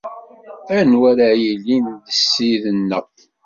Anwa ara yilin d ssid-nneɣ?